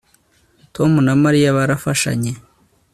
Tom na Mariya barafashanye